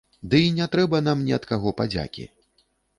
Ды і не трэба нам ні ад каго падзякі.